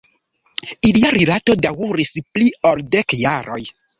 Ilia rilato daŭris pli ol dek jaroj.